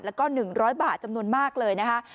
แล้วก็๑๐๐บาทจำนวนมากเลยนะคะ